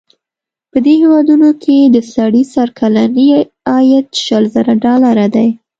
په دې هېوادونو کې د سړي سر کلنی عاید شل زره ډالره دی.